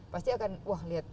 pasti akan wah lihat